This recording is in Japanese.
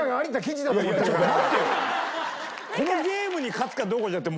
このゲームに勝つかどうかじゃなくて。